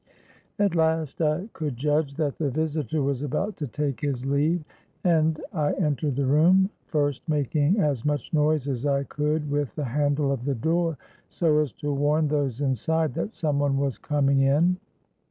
At last I could judge that the visitor was about to take his leave; and I entered the room, first making as much noise as I could with the handle of the door so as to warn those inside that some one was coming in.